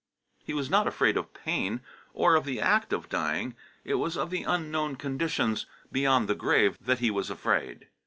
He was not afraid of pain, or of the act of dying; it was of the unknown conditions beyond the grave that he was afraid.